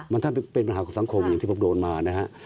มันถ้าเป็นปัญหากับสังคมอย่างที่ผมโดนมานะฮะ